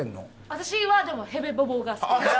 私はでもヘベボボが好きです。